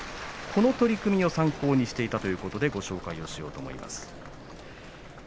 この取組を参考にしていたということなんですがご紹介します。